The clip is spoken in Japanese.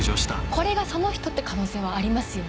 これがその人って可能性はありますよね。